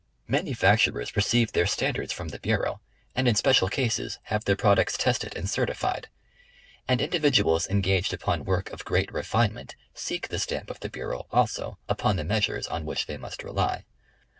Manufacturers receive their standards from the Bureau, and in special cases have their products tested and certified. And indi viduals engaged upon work of great refinement, seek the stamp of the Bureau, also, upon the measures on which they must rely.